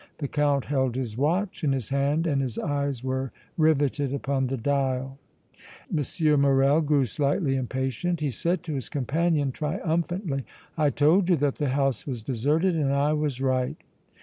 The Count held his watch in his hand and his eyes were riveted upon the dial. M. Morrel grew slightly impatient; he said to his companion, triumphantly: "I told you that the house was deserted and I was right!"